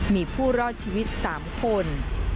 มีผู้รอดชีวิต๓คน